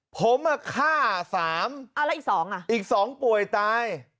ผมฆ่า๓อีก๒ป่วยตาย